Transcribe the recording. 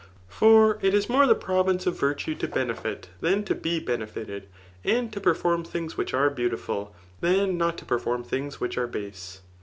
For it is more the pnr^ce of virtue to benefit dian to be benefited, and to perform things which are beaviiifiil, than not to perform things which arebase.